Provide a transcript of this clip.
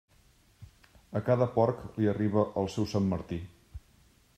A cada porc li arriba el seu Sant Martí.